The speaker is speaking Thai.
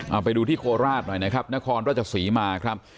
เอาไปดูที่โคราชหน่อยนะครับนครราชศรีมาครับ